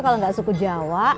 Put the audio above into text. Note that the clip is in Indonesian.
kalau gak suku jawa